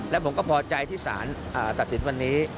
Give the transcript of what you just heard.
และผมก็พอใจที่สารตัดสินวันนี้